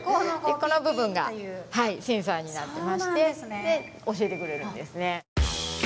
この部分がセンサーになってましてで教えてくれるんですね。